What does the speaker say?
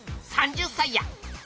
３０才や！